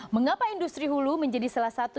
mengapa industri hulu menjadi salah satu